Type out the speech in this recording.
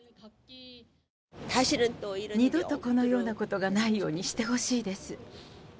二度とこのようなことがないようにしてほしいです。